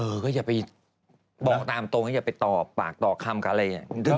ก็อย่าไปบอกตามตรงว่าอย่าไปต่อปากต่อคำกับอะไรอย่างนี้